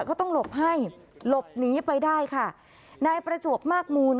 ก็ต้องหลบให้หลบหนีไปได้ค่ะนายประจวบมากมูล